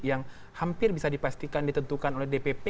yang hampir bisa dipastikan ditentukan oleh dpp